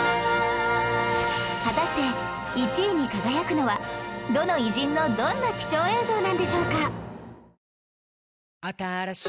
果たして１位に輝くのはどの偉人のどんな貴重映像なんでしょうか？